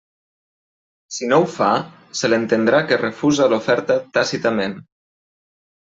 Si no ho fa, se l'entendrà que refusa l'oferta tàcitament.